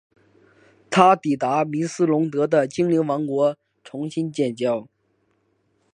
他抵达米斯龙德的精灵王国重新建交。